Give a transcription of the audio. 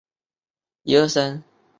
而封面上一片粉红设计即出自她手。